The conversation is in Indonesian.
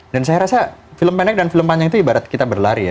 dan saya rasa film panjang dan film pendek itu ibarat kita berlari ya